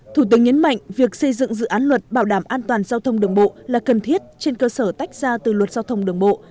thủ tướng nhấn mạnh việc xây dựng dự án luật bảo đảm an toàn giao thông đường bộ là cần thiết trên cơ sở tách ra từ luật giao thông đường bộ